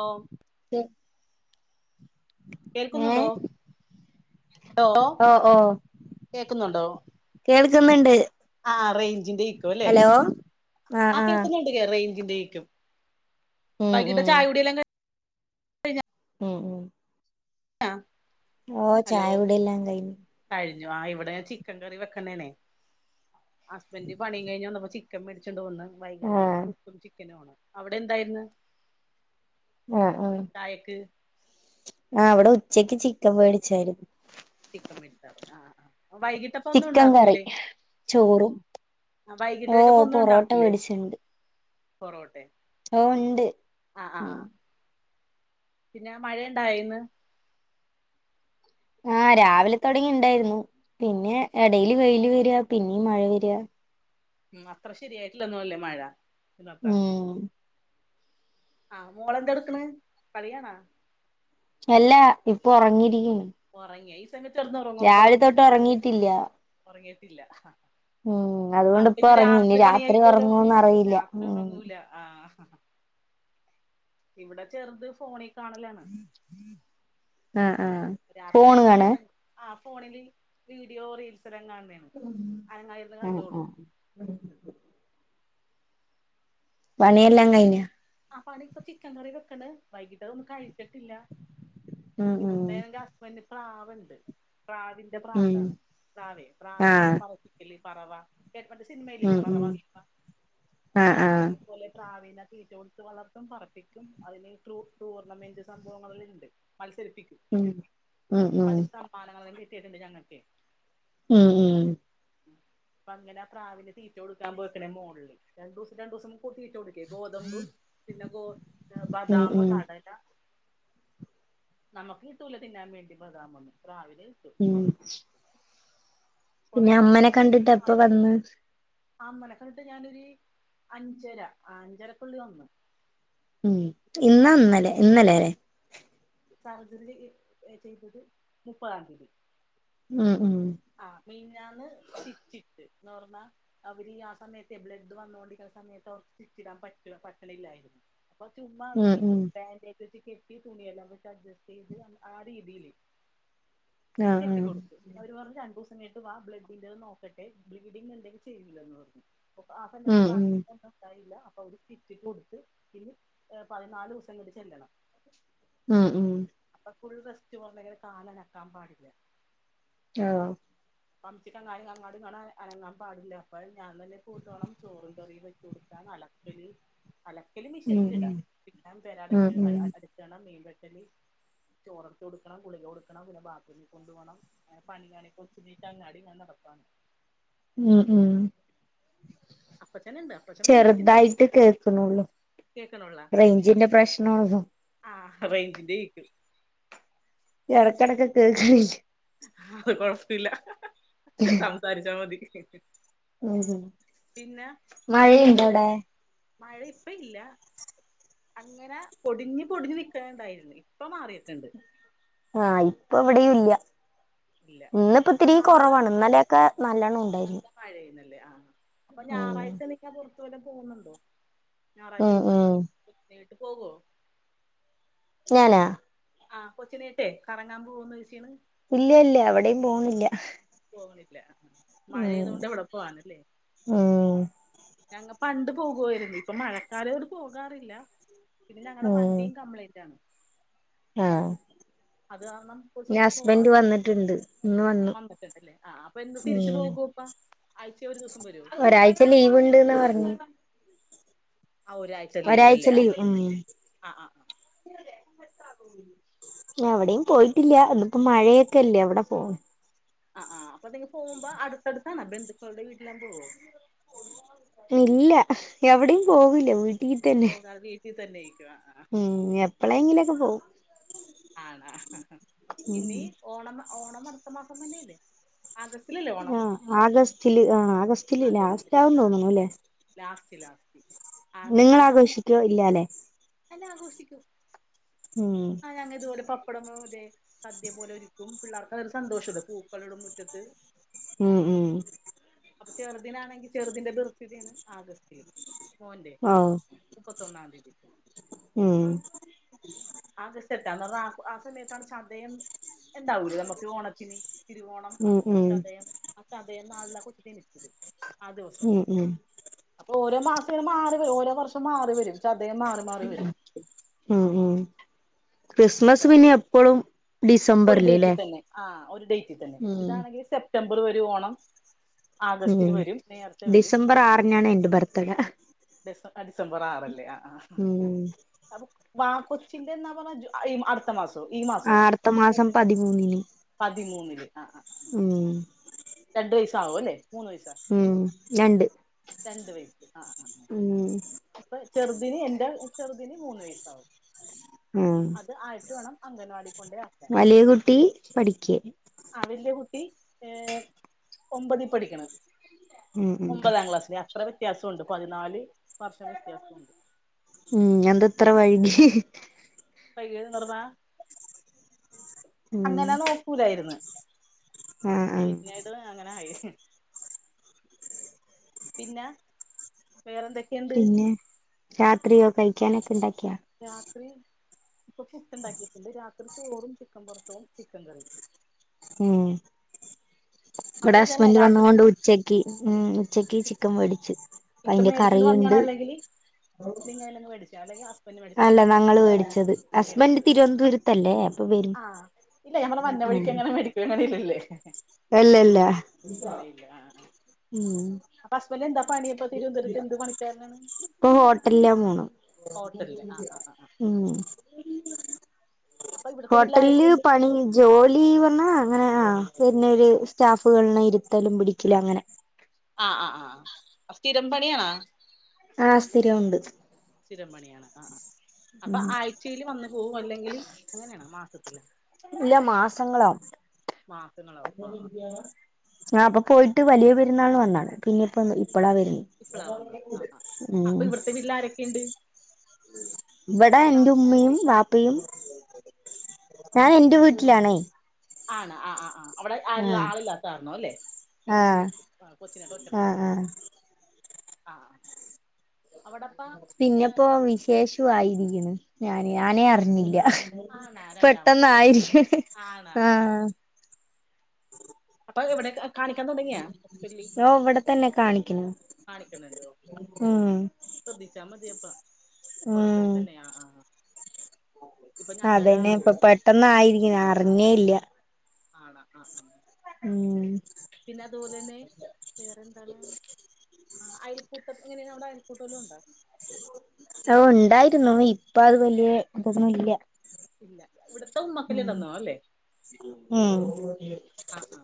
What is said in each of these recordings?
ഓ ത്തെ കേൾക്കുന്നുണ്ടോ ഹലോ ഓ കേക്കുന്നുണ്ടോ കേൾക്ക്ന്ന്ണ്ട് ആ റേഞ്ചിന്റെ ക്കും അല്ലെ ആഹ് കേക്കുന്നുണ്ട് കെ റേഞ്ചിന്റെക്കും ഉം വൈകിട്ട ഉം ചായൂടിയെല്ലാം കയ് ഉം ഉം ആഹ് ഓ ചായകുടിയെല്ലാ കൈഞ്ഞു. കഴിഞ്ഞു ആ ഇവിടെ ചിക്കൻ കറി വെക്കണണെ ഹസ്ബൻഡ് പണിം കഴിഞ്ഞ്ന്നപ്പോ ചിക്ക ചിക്കൻ മേടിച്ചിണ്ടെന്ന് വൈകിട്ടത്തേക്ക് ആഹ് പുട്ടും ചിക്കനു ആണ് അവിടെ എന്തായിരിന്ന് ആഹ് ആഹ് ആഹ് ഇവിടെ ഉച്ചയ്ക്ക് ചിക്കൻ വേടിച്ചായിരുന്നു ചിക്കൻ പൊരിച്ചതും ആഹ് ആഹ് വൈകിട്ടപ്പോന്നും ചിക്കൻ കറി ഉണ്ടാക്കൂലെ ചോറും ആ ഓ വൈകിട്ടേക്ക് പ്പൊന്നും പൊറോട്ട ണ്ടാക്കുലേ മേടിച്ചിണ്ട് പൊറോട്ടെ ഓ ഉണ്ട് ആഹ് ആഹ് ആഹ് പിന്നെ മഴയണ്ടായിന്ന്? ആഹ് രാവിലെ തൊടങ്ങി ഇണ്ടാര്ന്നു പിന്നെ എടേൽ വെയില് വര പിന്നിം മഴ വര. ഉം അത്ര ശരിയായിട്ടില്ലൊന്നും അല്ലേ മഴ [unintelligible] ഉം ആഹ് മോളെന്തെടുക്ക്ണേ കളിയാണാ? അല്ല ഇപ്പൊ ഉറങ്ങിയിരിക്കാണ്. ഉറങ്ങിയ ഈ സമയത്ത് കെടന്ന്ഉറങ്ങുവപ്പ ഉറങ്ങിയിട്ടില്ല ഉറങ്ങീട്ടില്ല. ഉം അതുകൊണ്ട് അപ്പ ഇപ്പ ഇത് ഉറങ്ങി ഇനി രാത്രി പണി ആയിക്കല്ലോ ഉറങ്ങോന്ന് അറിയില്ല രാത്രി ഉം ഉറങ്ങൂല്ല ആഹ. ഇവിടെ ചെറ്ത് ഫോണ്. കാണലാണ് ആഹ് ആഹ് രാത്രി അപ്പ ഫോണ് കിടന്ന് കാണേ ഒറങ്ങ ആ ഫോണിൽ വീഡിയോ റീൽസ് എല്ലാം കാണുന്നാണ്. ഉം അ ആ പണിയെല്ലാം കഴിഞ്ഞോ അ പണി ഇപ്പ ചിക്കൻ കറി വെക്കണ് വൈകിട്ട് അതൊന്നും കഴിച്ചിട്ടില്ല ഉം ഉം ഇവിടത്തെ. പിന്നെ പ്രാവ്ണ്ട് പ്രാവിന്റെ ഉം പ്രാന്താണ് പ്രാവ് പ്രാവിന ആഹ് ഇങ്ങനെ പറ പറവാ കേ [unintelligible] ഉം സിനിമേല്ലില്ലേ ഉം പറവാ ആഹ് ആ അത് ആഹ് അതുപോലെ പ്രാവീനെ തീറ്റ കൊ വളർത്തും പറപ്പിക്കും അതിന് ട്രൂ ടൂർണമെന്റ് സംഭവങ്ങളിൽ ഉണ്ട് മത്സരിപ്പിക്കും. ഉം ഉം ഉം [unintelligible] കിട്ടിട്ടുണ്ട് ഞങ്ങൾക്കെയ്. ഉം ഉം അപ്പ അങ്ങനെ ആ പ്രാവിന്‌ തീറ്റ കൊടുക്കാൻ പോയിക്ക്ണ് മുകളില് രണ്ട് ദിവസം രണ്ട് ദിവസം കൂടി തീറ്റ കൊടുക്ക ഗോതമ്പും പിന്നെ ഗോ ഉം ബാദാം ഉം കട ടല നമുക്ക് കീട്ടുല തിന്നാൻ വേണ്ടി ബതാ മൊന്നും പ്രാവിനെ കിട്ടു. ഉം പിന്നെ കൊറേ അമ്മനെ കണ്ടിട്ട് എപ്പൊ വന്ന്? അമ്മനക്കണ്ടിട്ട് ഞാനൊരു അഞ്ചര അഞ്ചരക്കുള്ളിൽ വന്നു. ഉം ഇന്നോ ഇന്നലെ ഇന്നലെലെ സർജറി ചെയ്തത് മുപ്പതാം തീയതി. ഉം ഉം ആഹ് മീനിഞ്ഞാന്ന് സ്റ്റിച്ചിട്ട് ന്ന് പറഞ്ഞാ. അവര് ആ സമയത്തെ ബ്ലഡ് വന്നോണ്ടിരിക്കുന്ന സമയത്ത് അവർക്ക് സ്‌റ്റിച്ചിടാൻ പറ്റ പറ്റണില്ലായിരുന്നു. അപ്പം ചുമ്മാ ഉം അവര് ഉം ബാന്റേജൊ ഒട്ടികെ ട്ടീ തുണിയെല്ലാം വച്ച് അഡ്ജസ്റ്റ് ചെയ്ത് ആ രീതിൽ ആഹ് കെട്ടി ആഹ് കൊടുത്തു. അവര് പറഞ് രണ്ട് ദിവസം കഴിഞ്ഞിട്ട് വാ ബ്ലഡിൻ്ത് നോക്കട്ടെ ബ്ലീഡിങ് ഇണ്ടെങ്കിൽ ചെയ്യൂലന്ന് പറഞ്ഞു. ഉം ഉം [unintelligible] തായില്ല അപ്പൊ അവര് സ്റ്റിച്ചിട്ട് കൊടുത്ത് പിന്ന പതിനാല് ദിവസംകഴിഞ്ഞ് ചെല്ലണം. ഉം ഉം അപ്പൊ ഫുൾ റെസ്റ്റ് പറഞ്ഞ് കാലനക്കാൻ പാടില്ല. ആ [unintelligible] അനങ്ങാൻ പാടില്ല അപ്പം ഞാൻ തന്നെ പോയിട്ട് വേണം ചോറും കറിയും വെച്ച് കൊടുക്കാൻ അലക്ക അലക്കല് അലക്കല് ഉം മിഷനത്തിലിടാ ഉം പിന്നെ പെര ഉം അടച്ച് ഉം അടച്ചണം മീൻ വെട്ടല്. ചോറടുത്ത് കൊടുക്കണം ഗുളിക കൊടുക്കണം പിന്നെ ബാത്റൂമിൽ കൊണ്ടു പോണം അങ്ങനെ പണിയണെ. [unintelligible] ഉം ഉം അപ്പച്ചനുണ്ട് അപ്പച്ചൻ ചെറുതായിട്ട് കേൾക്കുണുള്ളു. കേൾക്കണുള്ളാ റേഞ്ചിന്റെ പ്രശ്നള്ളോ. ആ റേഞ്ചിന്റെക്കും. എടക്കിടക്കെ കേക്കണില്ല. അത് കൊഴപ്പല്ല സംസാരിച്ചാ മതി. ഉം പിന്നെ ഉംമഴയുണ്ടോ വേറെന്തൊക്കെയുണ്ട് അവിടെ മഴ ഇപ്പ ഇല്ല അങ്ങനെ പൊടിഞ്ഞ് പൊടിഞ്ഞ് നിൽക്കണണ്ടായിരുന്നു ഇപ്പൊ മാറിയിട്ടുണ്ട് ആഹ് ഇപ്പൊ ഇവിടെയും ഇല്ല്യ. ഇല്ല ഇന്നിപ്പ അപ്പൊ ഇത്തിരി നാളെ കൊറവാണ്. ഇന്നലെക്കെ നല്ലണ്ണം ഉണ്ടായിരുന്നു. മഴേന്നല്ലേ ആഹ് അപ്പൊ ഉം ഞാറാഴ്ച നിങ്ങ പുറത്തു വല്ലോം പോവുന്നുണ്ടോ? ഞാറാഴ്ച ഉം ദിവസങ്ങൾ ഉം കൃത്യാട്ട് പോകോ? ഞാനാ. ആഹ് കൊച്ചിനീട്ടെ കറങ്ങാമ്പോവൊന്ന് വെശേണ്. ഇല്ല, ഇല്ല എവിടേം പോണില്ല. പോവണില്ല ആ, ആ ഉം മഴെതോണ്ട് എവ്ടപോവാനല്ലേ? ഉം ഞങ്ങ പണ്ട് പോകുവായിര്ന്ന്. ഇപ്പൊ മഴക്കാലോണ്ട് പോകാറില്ല. പിന്ന ഞങ്ങട ഉം വണ്ടിം കംപ്ലെന്റാണ്. ആഹ് ഒരു ഞ സ്ഥലത്തും ഹസ്ബന്റ് വന്നിട്ട്ണ്ട്. ഇന്ന് വന്നു. അല്ലെ ആ, ആ അപ്പൊ എന്ന് ഉം തിരിച്ച്പോകോപ്പ ആഴ്ച്ചെ ഒരു ദിവസം വരുവോ? ഒരാഴ്ച ലീവ്ണ്ട്ന്ന പറഞ്ഞെ. ആ ഒരാ ഒരാഴ്ചലീ ഉം. ആഹ് അവിടെയും പോയിട്ടില്ല്യ ഇന്ന്‌പ്പോ മഴേക്കെല്ലേ അവിടെ പോ ആ, ആ, അപ്പനിങ പോകുമ്പോ അടുത്തടുത്താണാ ബന്ധുക്കളുടെ വീട്ടിലല്ലാം പോവോ? ഇല്ല എവിടേം പോകൂല്ല. വീ പോകാ വീട്ടിതന്നെ. ഉം എപ്പളെങ്കിലുംക്കെ പോവും. ആണ. ഇനി ഉം ഓണം, ഓണം അടുത്ത മാസം തന്നെല്ലേ? ആഗസ്റ്റിലല്ലേ ഓണം? ആ ആഗസ്റ്റില് ആഹ് ആഗസ്റ്റിലന്നെ ആഗസ്റ്റില് അഗസ്റ്റാന്ന് ആ ആ. തോന്നണുഅല്ലെ. ലാസ്റ്റ്, ലാസ്റ്റ് നിങ്ങൾ ആഗസ്റ്റിലാണ് ആഘോഷിക്കോ ഇല്ലാല്ലേ ല്ലാം ആഘോഷിക്കും. ഉം. ആ ഞങ്ങ ഇതുപോലെ പപ്പടംതേ സദ്യം പോലെ ഒരുക്കും. പിള്ളർക്ക് അതരു സന്തോഷംത് പൂക്കളിടും മുറ്റത്ത്. ഉം, ഉം. അപ്പൊ ചെറുദിനാണെങ്കി ചെറുതിന്റെ ബെർത്തിടെണ് ആഗസ്റ്റില്. മോന്റെ. ഓ മുപ്പത്തൊന്നാം തീയതി. ഉം ആഗസ്റ്റേട്ട ആ ആ സമയത്താണ് ചതയം ഇണ്ടാവുലേ നമുക്ക് ഓണത്തിന്. തിരുവോണം, ഉം അവിട്ടം, ഉം ചതയം ആ ചതയം നാളിലാ കൊച്ച്ജനിച്ചത്. ആ ദിവസം ഉം അപ്പൊ ഓരോ മാസോംങ്ങന മാറി വരും ഓരോ വർഷം മാറി വരും ചതയം മാറി മാറി വരും ഉം, ഉം അപ്പൊ ക്രിസ്മസ് പിന്നെ എപ്പളും ഒരു ഡേറ്റിതന്നെ, ആ ഒരു ഡേറ്റി തന്നെ. ഉം ഇതാണെങ്കി സെ പ്റ്റംബർ വരും ഓണം. ആഗസ്റ്റില് ഉം വരും. നേരത്തെ വരും. ഡിസംബർ അങ്ങനെ. ആറിനാണ് എന്റെ ബർത്ത്ഡേ ഡിസം, ആ ഡിസംബർ ആറല്ലേ ആ, ആ ഉം അപ്പൊ വ കൊച്ചിന്റെ എന്നാ പറ ജു ആ ഇ ആ ത്തമാസോ ഈ മാസോ ആടുത്ത മാസം ചെർതിന്റെ. പതിമൂന്നിന് പതിമൂന്നില് ആ, ആ, ആ, ഉം രണ്ട് വയസ്സാവു അല്ലെ മൂന്ന് വയസ്സാ ഉം രണ്ട്. രണ്ട് വയസ്. ആ ആ ഉം. അപ്പൊ ചെറുതിന് എന്റെ ചെറുതിന് മൂന്ന് വയസ്സാവും. ഉം അത് ആയിട്ട് വേണം അംഗൻവാടി കൊണ്ട് വലിയ കുട്ടി പഠിക്ക. ആ വല്യ കുട്ടി ഏ ഒമ്പതിപഠിക്കണ്. ഉം ഉം ഒമ്പതാം ക്ലാസ്സില് അത്ര വ്യത്യാസ്വണ്ട് പതിനാല് വർഷം വ്യത്യാസോണ്ട്. ഉം എന്ത ഇത്ര വൈകിയെ? പയ്യെ നിർന്ന ഉം അങ്ങനെ നോക്കൂലായി ര്ന്ന് ആ ആ പിന്നെ അങ്ങനെയായി പിന്നെ വേറെന്തൊക്ക പിന്നെ രാത്രിയോ കഴിക്കാനൊക്കെ ഇണ്ടാക്കിയാ രാത്രി ഇപ്പൊ പുട്ട് ഉണ്ടാക്കിട്ടുണ്ട് രാത്രി ചോറും ചിക്കൻ വറുത്തതും ചിക്കൻ കറിയും ഉം ഇവിടെ അവിടെ ഇതന്നെ ഹസ്ബൻ്റ് വന്ന് രാത്രി കൊണ്ട് ഉച്ചക്ക് ഉം ഉച്ചക്ക് ചിക്കൻ മേടിച്ചു അപ്പൊ ഇപ്പം അതിന്റെ മേടിച്ചോണ്ട് വന്നേണോ കറിയുണ്ട് അല്ലെങ്കിൽ നിങ്ങള് മേടിച്ച് അല്ലെങ്കിൽ ഹസ് അല്ല ഞങ്ങൾ മേടിച്ചത് ഹസ്ബൻ്റ് മേടിച്ചത് തിരുവനന്തപുരത്തല്ലേ അപ്പൊ വരും ആഹ് ഇല്ല ഞമ്മുട. വന്ന വഴിക്ക് അങ്ങനെ മേടിക്കണല്ലല്ലേ അല്ല അല്ല ഉം അപ്പ ഹസ്ബൻ്റ്. എന്ത പണിയപ്പോ തിരുവനന്തപുരത്ത് എന്ത് പണിക്കാരനാണ് ഇപ്പൊ ഹോട്ടലിലാ പോണു ഹോട്ടലില് ആ ആ ആ ആ ഉം അപ്പൊ ഇവിടുത്തെ വീട്ടിൽ ഹോട്ടലില് ആരൊക്കെയുണ്ട് പണി ജോലി പറഞ്ഞാ അങ്ങനെ ആ പിന്നെ ഒരു സ്റ്റാഫുകളിനെ ഇരുത്തലും പിടിക്കലും അങ്ങനെ ആഹ് ആഹ് ആഹ് സ്ഥിരം പണിയാണാ ആ സ്ഥിരണ്ട് സ്ഥിരം പണിയാണ് ആഹ് ആഹ് അപ്പൊ ഉം ആഴ്ചയിയില് വന്നു പോകും അല്ലെങ്കിൽ അങ്ങനെയാണ് മാസത്തിലൊ ഇല്ല മാസങ്ങളാവും മാസങ്ങളാവും ആഹ് ആഹ് ആ അപ്പൊ പോയിട്ട് വലിയ പെരുന്നാളിന്ന് വന്നതാണ് പിന്നെ ഇപ്പൊ ഇപ്പോളാ വരുന്നത് ഉം പിള്ളാരൊക്കെ ഉണ്ട് ഇവിടാ എന്റെ ഉമ്മയും വീട്ടില് ബാപ്പയും ഞാൻ എന്റെ വീട്ടിലാണേ ആണ് ആഹ് ആഹ് ആഹ് അവിടെ ആരു ആഹ് ആളില്ലാത്ത കാരണം അല്ലേ ഇവിടെ ആഹ് ആ കൊച്ചിനായിട്ട് ഒറ്റൊക്കെ നിൽക്കണം [unintelligible] ആഹ് അവിടപ്പ കേശുവായിരിക്കുന്നു ഞാൻ ഞാനേ അറിഞ്ഞില്ല ആണാ രണ്ടാമത് അല്ലേ പെട്ടെന്നായിരിക്കും ആഹ് അപ്പൊ അത് എവിടെ ക്കെ കാണിക്കാൻ തുടങ്ങിയാ ഓ ഇവിടെ തന്നെ കാണിക്കണ് കാണിക്കുന്നുണ്ട് ഓക്കെ ഉം ശ്രദ്ധിച്ചാ മതി അപ്പ തൊടക്കത്തി ഉം തന്നെ ആഹ് ആഹ് ആഹ് ഇപ്പൊ ഞങ്ങടാ അതന്നെ ഇപ്പൊ പെട്ടെന്നായിരിക്കുന്ന് അറിഞ്ഞേ ഇല്ല ആണാ ആഹ് ആഹ് ഉം പിന്നെ അതുപോലെന്നെ വേറെ എന്താണ് ആഹ് അയൽക്കൂട്ടം എങ്ങനെയാ അവിടെ അയൽക്കൂട്ടലും ഉണ്ടോ [unintelligible] ഓഹ് ഉണ്ടായിരുന്നു ഇപ്പൊ അത് വലിയ ഇതൊന്നുംല്ല ഇല്ല ഇവിടുത്തെ ഉമ്മക്കല്ലേ ഉം തന്നോ അല്ലേ ഉം ആ ആ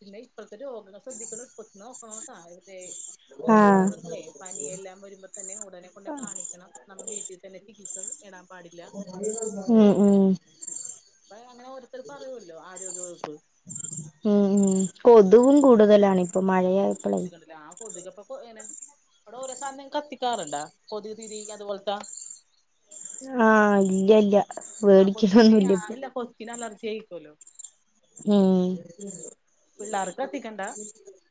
പിന്നെ ഇപ്പഴത്തെ രോഗങ്ങൾ ശ്രദ്ധ്രി കണട്ടോ ഇപ്പതന്നെ നോക്കണാട്ടാ ഓരോ ആഹ് രോഗങ്ങളെ പനിയെല്ലാം വരുമ്പോ തന്നെ ഉടനെ കൊണ്ട് കാണിക്കണം നമ്മ വീട്ടിൽ തന്നെ ചികിത്സ തേടാൻ പാടില്ല ഉം ഉം അപ്പ അങ്ങനെ ഓരോരുത്തര് പറയൂല്ലോ ആരോഗ്യവകുപ്പ് ഉം ഉം കൊതും കൂടുതലാണ് ഇപ്പം മഴയായപ്പോളേ ആഹ് കൊതുക് പ്പൊനെ അവിടെ ഓരോ സാധനം കത്തിക്കാറുണ്ടാ കൊതുക് തിരി അതുപോലത്താ ആഹ് ഇല്ല ഇല്ല വേടിക്കണൊന്നുമല്ല ഇപ്പൊ പിന്നെ അലർജിയായിരിക്കല്ലോ ഉം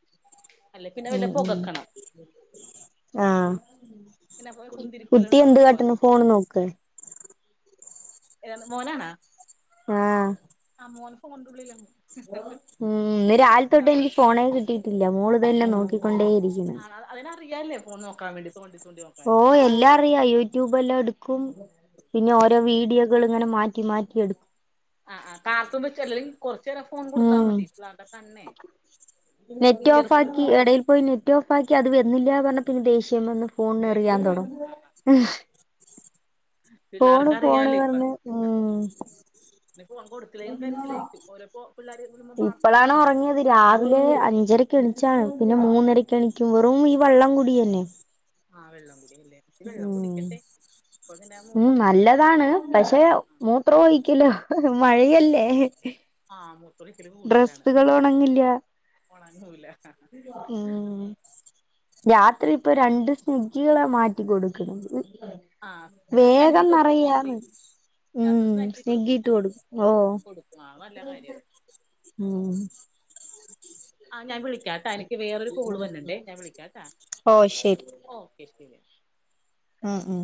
അല്ലേപിന്നെ വല്ല പുകക്കണം ആഹ പിന്നെ കുന്തിരിക്കോലം കുട്ടി എന്ത് ഉണ്ടാവല്ലോ കട്ടെണ് ഫോണ് നോക്കേ ഏ മോനാണോ ആഹ് ആ മോൻക്കും കൊണ്ടുള്ളില്ലല്ലോ ഉം ഇന്ന് രാലത്തോട്ട് എനിക്ക് ഫോണേ കിട്ടിയിട്ടില്ല മോള് ഇതന്നെ നോക്കിക്കൊണ്ടേ ഇരിക്ക്വാ ആ. അതിനറിയാലേ ഫോണ് നോക്കാ വേണ്ടിട്ട് തോണ്ടി തോണ്ടി നോക്കാൻ ഓ എല്ലാ അറിയ യൂട്യൂബ് എല്ലാം എടുക്കും പിന്നെ ഓരോ വീഡിയോകൾ ഇങ്ങനെ മാറ്റി മാറ്റി എടുക്കും ആ ആ കാർത്ത [unintelligible] വെച്ചല്ലെിൽ കൊറചൂരെ ഫോൺ കൊടുത്ത ഉം മതി ഇല്ലേ അവന്റെ കണ്ണ് നെറ്റ് ഓഫ് ആക്കി എടേൽ പോയി നെറ്റ് ഓഫ് ആക്കി അത് വര്ണില്ലാ പറഞ്ഞാൽ പിന്ന ദേഷ്യം വന്ന് ഫോണിനെറിയാൻ ദേഷ്യം വരും തുടങ്ങും ആ [inaudible] ഫോണ് പിള്ളേർക്ക് ഫോണ് പറഞ്ഞ ഉം ഇന്നപ്പൊ കൊടുത്തില്ലേ കരച്ചിലായി ര്ക്കും ഓര ഒപള്ളേർ ഇപ്പോളാണ് ഉറങ്ങിയത് രാവിലെ അഞ്ചരക്ക് എണിച്ചാണ് പിന്നെ മൂന്നരക്ക് എണിക്കും വെറും ഈ വെള്ളംകൂടി തന്നെ ആഹ് വെള്ളം കുടി അല്ലേ ഉം ഉ മൂത്രത്തിൽ പഴുപ്പ് നല്ലതാണ് പക്ഷെ [unintelligible] ആ ആ അത്ര പോയിക്കില്ല മഴയല്ലേ ആഹ ഡ്രസ്സുകൾ ഉണങ്ങില്ല ഒണങ്ങൂല ഉം രാത്രി ഇപ്പൊ രണ്ട് സ്നിഗ്ഗികളെ മാറ്റി കൊടുകണത് ആ അല്ല സ്നാക്സ് വേഗം ഇട്ട് കൊടുക്കോ നിറയ രാത്രി രാത്രി സ്നെഗി കൊടുക്കോ കൊച്ചിന് കൊടുക്ക ആ അത് നല്ല കാര്യമാണ് ഉം ആ ഞാൻ വിളിക്കാട്ടാ എനിക്ക് വേറരു കോള് വര്ണണ്ടേ ഞാൻ വിളിക്കാട്ടാ ഓ ഓക്കെ ശരി ഉം ഉം